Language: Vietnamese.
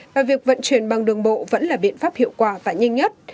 và việc vận chuyển bằng đường bộ vẫn là biện pháp hiệu quả và nhanh nhất